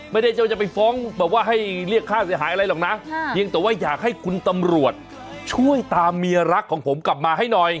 เจ้าจะไปฟ้องแบบว่าให้เรียกค่าเสียหายอะไรหรอกนะเพียงแต่ว่าอยากให้คุณตำรวจช่วยตามเมียรักของผมกลับมาให้หน่อย